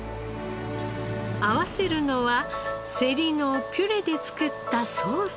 合わせるのはセリのピュレで作ったソース。